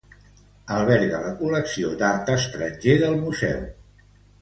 Alberga la col·lecció d'art estranger del museu.